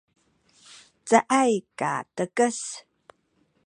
caay katekes